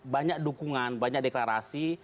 banyak dukungan banyak deklarasi